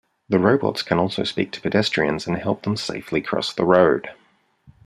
The robots can also speak to pedestrians and help them safely cross the road.